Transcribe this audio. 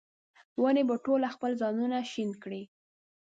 ونې به ټوله خپل ځانونه شنډ کړي